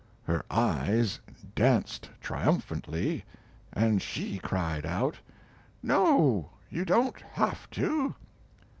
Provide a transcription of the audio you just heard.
Her eyes danced triumphantly, and she cried out: "No, you don't have to.